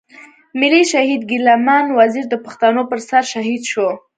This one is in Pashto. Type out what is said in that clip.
ملي شهيد ګيله من وزير د پښتنو پر سر شهيد شو.